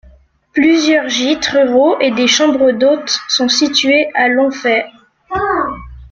Plusieurs gîtes ruraux et des chambres d'hôtes sont situés à Longfaye.